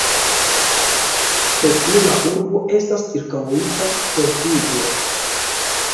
Pro tio la urbo estas ĉirkaŭita per digoj.